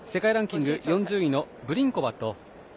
世界ランキング４０位のブリンコバと